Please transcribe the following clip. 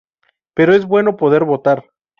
Pero es bueno poder votar.